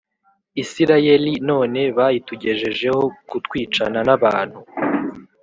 Isirayeli none bayitugejejeho kutwicana n abantu